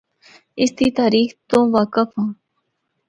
اس دی تاریخ تو واقف ہوّن۔